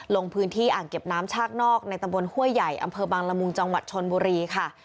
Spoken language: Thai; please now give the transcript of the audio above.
ลงพื้นที่อ่างเก็บน้ำชากนอกในตำบลห้วยใหญ่อำเภอบังละมุงจังหวัดชนบุรีค่ะ